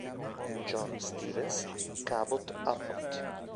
John Stevens Cabot Abbott